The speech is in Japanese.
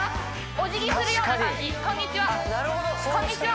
おじぎするような感じこんにちは